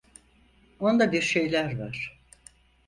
Onda bir şeyler var.